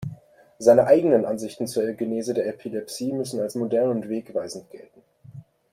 Seine eigenen Ansichten zur Genese der Epilepsie müssen als modern und wegweisend gelten.